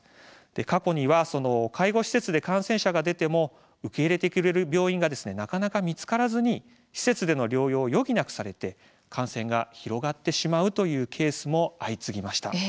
過去には介護施設で感染者が出ても受け入れてくれる病院がなかなか見つからずに施設での療養を余儀なくされて感染が広がってしまうケースが相次ぎました。